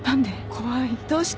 怖いどうして？